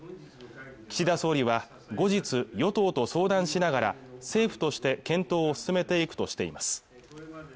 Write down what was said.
岸田総理は後日与党と相談しながら政府として検討を進めていくとしています